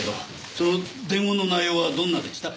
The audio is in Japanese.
その伝言の内容はどんなでした？